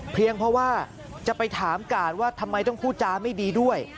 เพราะว่าจะไปถามกาดว่าทำไมต้องพูดจาไม่ดีด้วย